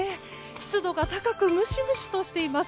湿度が高くムシムシとしています。